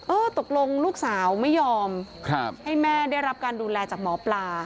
ตกลงลูกสาวไม่ยอมให้แม่ได้รับการดูแลจากหมอปลา